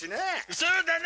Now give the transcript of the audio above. そうだな。